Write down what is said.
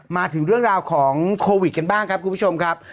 มาถึงเรื่องราวของโควิดกันบ้างครับคุณผู้ชมครับ